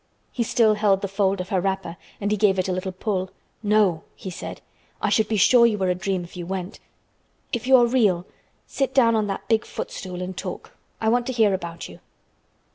He still held the fold of her wrapper and he gave it a little pull. "No," he said. "I should be sure you were a dream if you went. If you are real, sit down on that big footstool and talk. I want to hear about you."